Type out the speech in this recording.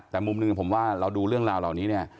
แต่มุมหนึ่งผมว่าเราดูเรื่องราวแบบนี้